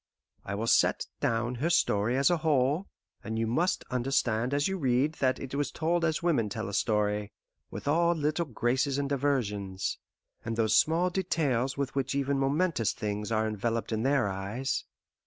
I will set down her story as a whole, and you must understand as you read that it was told as women tell a story, with all little graces and diversions, and those small details with which even momentous things are enveloped in their eyes.